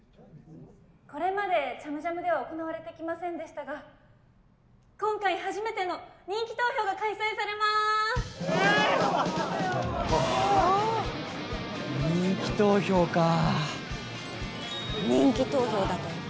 これまでＣｈａｍＪａｍでは行われてきませんでしたが今回初めての人気投票が開催されますえぇ⁉わぁ人気投票か人気投票だと？